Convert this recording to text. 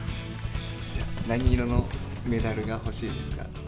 何色のメダルが欲しいですか？